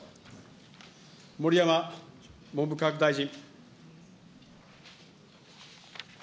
盛山文部科学大臣。